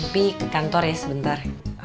tapi ke kantor ya sebentar